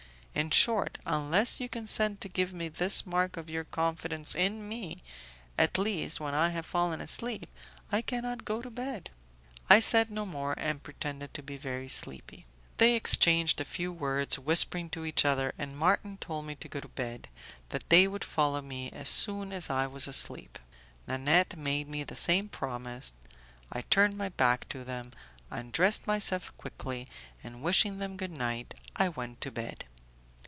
In short, unless you consent to give me this mark of your confidence in me, at least when I have fallen asleep, I cannot go to bed." I said no more, and pretended to be very sleepy. They exchanged a few words, whispering to each other, and Marton told me to go to bed, that they would follow me as soon as I was asleep. Nanette made me the same promise, I turned my back to them, undressed myself quickly, and wishing them good night, I went to bed.